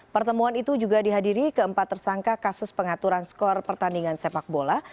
pertemuan itu juga dihadiri keempat tersangka kasus pengaturan skor pertandingan sepak bola